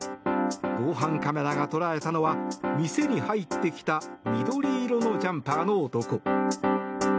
防犯カメラが捉えたのは店に入ってきた緑色のジャンパーの男。